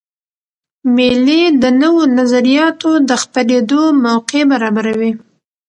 مېلې د نوو نظریاتو د خپرېدو موقع برابروي.